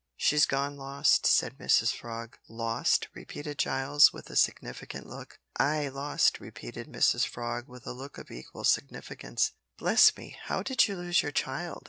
"She's gone lost," said Mrs Frog. "Lost?" repeated Giles, with a significant look. "Ay, lost," repeated Mrs Frog, with a look of equal significance. "Bless me, how did you lose your child?"